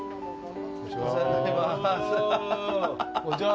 こんにちは。